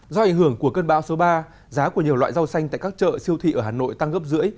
do ảnh hưởng của cơn bão số ba giá của nhiều loại rau xanh tại các chợ siêu thị ở hà nội tăng gấp rưỡi